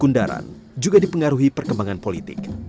kundaran juga dipengaruhi perkembangan politik